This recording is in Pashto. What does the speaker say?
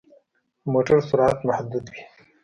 د موټر سرعت محدود وي.